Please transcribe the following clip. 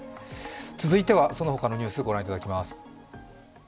続いては、そのほかのニュースご覧いただきます。